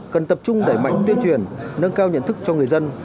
cần tập trung đẩy mạnh tuyên truyền nâng cao nhận thức cho người dân